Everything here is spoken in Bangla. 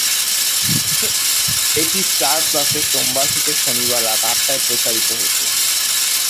এটি স্টার প্লাসে সোমবার থেকে শনিবার রাত আটটায় প্রচারিত হত।